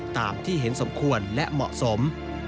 ตามที่เห็นสมควรและเหมาะสม